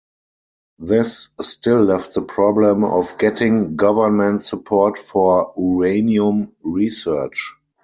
This still left the problem of getting government support for uranium research.